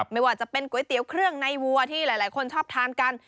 ไม่ว่าจะเป็นก๋วยเตี๋ยวเครื่องในวัวที่หลายคนชอบทานกัน